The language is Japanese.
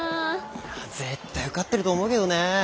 いや絶対受かってると思うけどね。